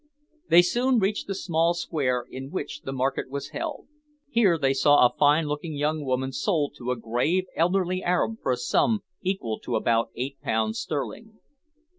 They soon reached the small square in which the market was held. Here they saw a fine looking young woman sold to a grave elderly Arab for a sum equal to about eight pounds sterling.